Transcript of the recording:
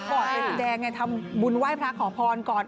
ก่อเอ็นแดงทำบุญไหว้พระขอพรก่อน